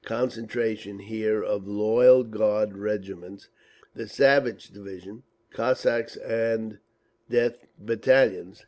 Concentration here of loyal Guard Regiments, the Savage Division, Cossacks and Death Battalions.